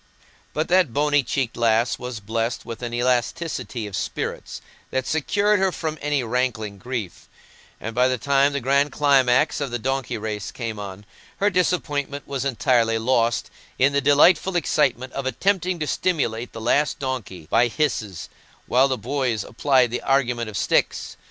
But that bonny cheeked lass was blessed with an elasticity of spirits that secured her from any rankling grief; and by the time the grand climax of the donkey race came on, her disappointment was entirely lost in the delightful excitement of attempting to stimulate the last donkey by hisses, while the boys applied the argument of sticks.